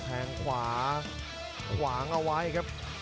แทงขวาขวางเอาไว้ครับ